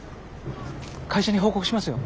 会社に報告しますよ。